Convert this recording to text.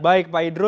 baik pak idrus